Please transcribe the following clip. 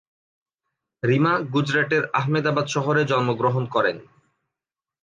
রিমা গুজরাটের আহমেদাবাদ শহরে জন্মগ্রহণ করেন।